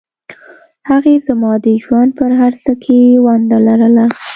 هغې زما د ژوند په هرڅه کې ونډه لرله